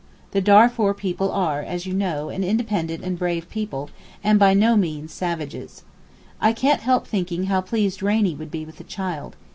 The Darfour people are, as you know, an independent and brave people, and by no means 'savages.' I can't help thinking how pleased Rainie would be with the child.